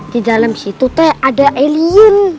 di dalam situ teh ada alien